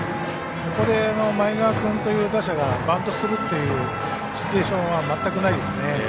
ここで前川君という打者がバントするというシチュエーションは全くないですね。